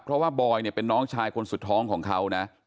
เพราะว่าบอยเนี่ยเป็นน้องชายคนสุดท้องของเขานะ